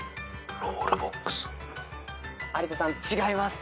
有田さん違います。